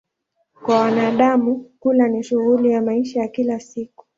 Kwa wanadamu, kula ni shughuli ya maisha ya kila siku.